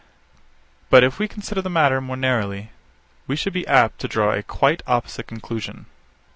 But if we consider the matter more narrowly, we shall be apt to draw a quite opposite conclusion.